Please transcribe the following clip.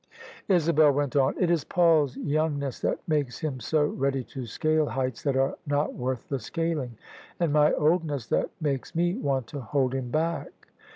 Isabel went on, " It is Paul's youngness that makes him so ready to scale heights that are not worth the scaling; and my oldness that makes me want to hold him back."